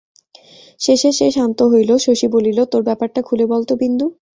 শেষে সে শান্ত হইল, শশী বলিল, তোর ব্যাপারটা খুলে বল তো বিন্দু?